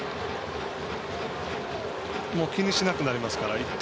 気にしなくなりますから。